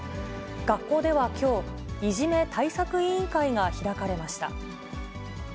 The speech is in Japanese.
学校ではきょう、いじめ対策委員会が開かれました。